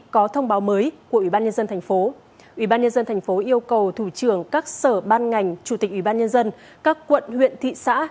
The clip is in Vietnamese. có thông báo mới của ủy ban nhân dân thành phố ủy ban nhân dân thành phố yêu cầu thủ trưởng các sở ban ngành chủ tịch ủy ban nhân dân các quận huyện thị xã